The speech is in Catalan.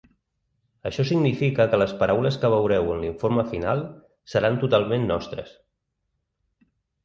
Això significa que les paraules que veureu en l’informe final seran totalment nostres.